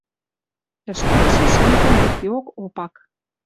Ӹшкетшӹ шӹнзен юкдеок Опак.